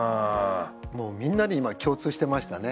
もうみんなに今共通してましたね。